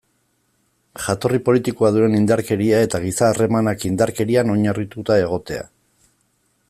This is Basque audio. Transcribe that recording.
Jatorri politikoa duen indarkeria eta giza harremanak indarkerian oinarrituta egotea.